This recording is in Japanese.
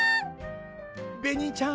ベニーちゃん